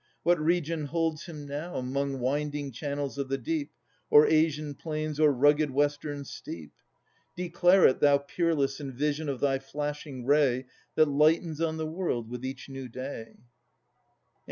What region holds him now, 'Mong winding channels of the deep, Or Asian plains, or rugged Western steep? Declare it, thou Peerless in vision of thy flashing ray That lightens on the world with each new day.